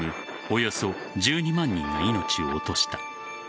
およそ１２万人が命を落とした。